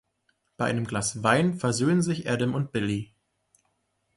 Bei einem Glas Wein versöhnen sich Adam und Billy.